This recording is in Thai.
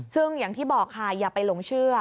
ซึ่งอย่างที่บอกค่ะอย่าไปหลงเชื่อ